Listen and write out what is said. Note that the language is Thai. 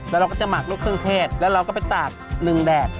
แล้วเราก็จะหมักลูกเครื่องเทศแล้วเราก็ไปตากหนึ่งแดด